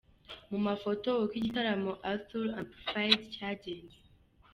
Mu mafoto ukoigitaramo Arthur amplified cyagenze.